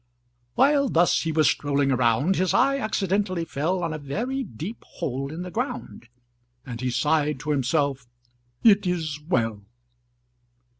While thus he was strolling around, His eye accidentally fell On a very deep hole in the ground, And he sighed to himself, "It is well!"